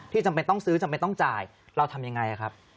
จำเป็นต้องซื้อจำเป็นต้องจ่ายเราทำยังไงครับ